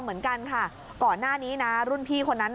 เหมือนกันค่ะก่อนหน้านี้นะรุ่นพี่คนนั้น